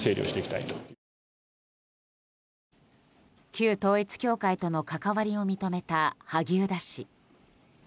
旧統一教会との関わりを認めた萩生田氏。